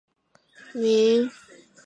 陕西乡试第五十五名。